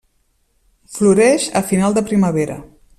Floreix a final de primavera.